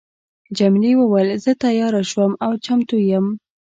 جميلې وويل: زه تیاره شوم او چمتو یم.